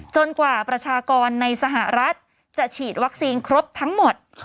กว่าประชากรในสหรัฐจะฉีดวัคซีนครบทั้งหมด